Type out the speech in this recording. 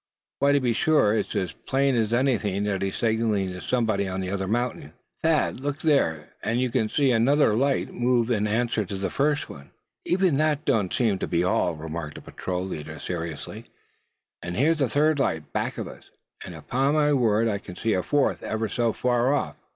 "Why, to be sure, it's as plain as anything that he's signalling to somebody on the other mountain. Yes, Thad, look there, and you can see another light move in answer to that first one." "Even that don't seem to be all," remarked the patrol leader, seriously. "Here's a third light back of us; and upon my word I can see a fourth ever so far off."